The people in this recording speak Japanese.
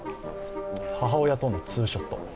母親とのツーショット。